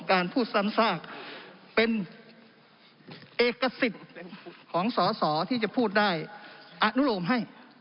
การพูดซ้ำซากเป็นเอกสิทธิ์ของสอสอที่จะพูดได้อนุโลมให้